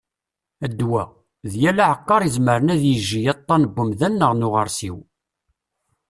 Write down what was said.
Ddwa: "d yal aɛeqqar izemren ad yejji aṭṭan n umdan neɣ n uɣersiw"